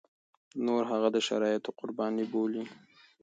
نور هغه د شرايطو قرباني بولي.